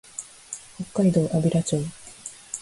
北海道安平町